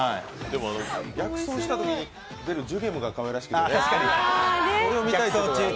逆走したときに出るジュゲムがかわいらしくてね。